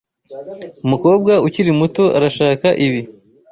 Umukobwa ukiri muto arashaka ibi.